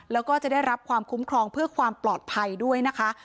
แล้วก็จะได้รับความคุ้มครองเพื่อความปลอดภัยด้วยนะคะ